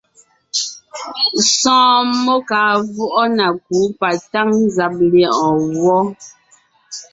Sɔ̀ɔn mmó kàa vwɔʼɔ na kǔ patáŋ nzàb lyɛ̌ʼɔɔn wɔ́.